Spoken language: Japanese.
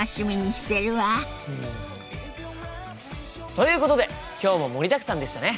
ということで今日も盛りだくさんでしたね。